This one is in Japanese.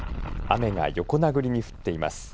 雨が横殴りに降っています。